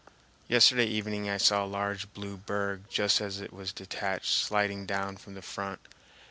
Yesterday evening I saw a large blue berg just as it was detached sliding down from the front.